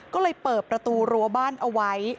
ก็เลยเปิดประตูรั้วบ้านเอาไว้